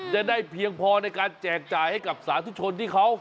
เพียงพอในการแจกจ่ายให้กับสาธุชนที่เขา